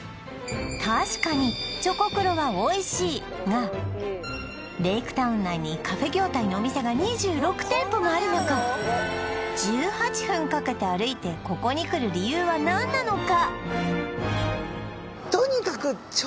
確かにチョコクロはおいしいがレイクタウン内にカフェ業態のお店が２６店舗もある中１８分かけて歩いてここに来る理由は何なのか？